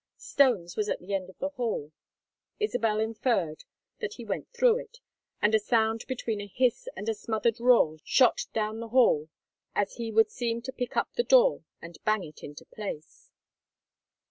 Stone's was at the end of the hall. Isabel inferred that he went through it, and a sound between a hiss and a smothered roar shot down the hall as he would seem to pick up the door and bang it into place.